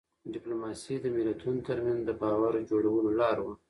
ډيپلوماسي د ملتونو ترمنځ د باور جوړولو لار وه.